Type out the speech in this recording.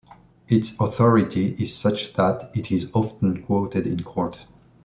Its authority is such that it is often quoted in court.